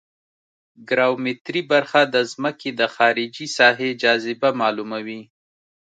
ګراومتري برخه د ځمکې د خارجي ساحې جاذبه معلوموي